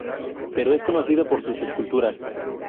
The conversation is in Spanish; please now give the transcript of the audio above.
Pero es conocido por sus esculturas.